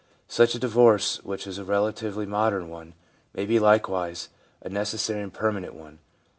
Such a divorce, which is a relatively modern one, may be likewise a necessary and permanent one.